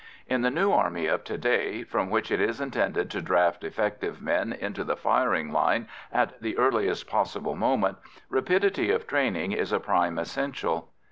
In the new army of to day, from which it is intended to draft effective men into the firing line at the earliest possible moment, rapidity of training is a prime essential.